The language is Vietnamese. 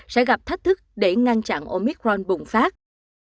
sẽ gặp thách thức để ngăn chặn omicron bùng phát